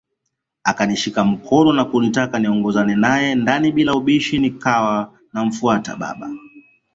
Akanishika mkono na kunitaka niongozane nae ndani bila ubishi nikawa namfuata baba